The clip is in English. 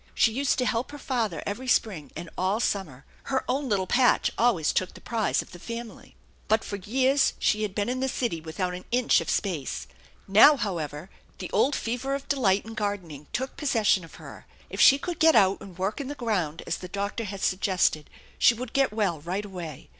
She used to kelp her father every spring and all summer. Her own littk patch always took the prize of the family. But for years she had been in the city without an inch of space. Now, how 168 THE ENCHANTED BARN 169 ever, the old fever of delight in gardening took possession of her. If she could get out and work in the ground, as the doctor had suggested, she would get well right away.